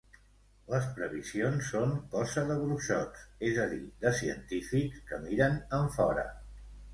Les previsions són cosa de bruixots, és a dir, de científics que miren enfora.